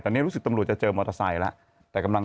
ตอนนี้รู้สึกตำรวจจะเจอมอเตอร์ไซค์ล่ะ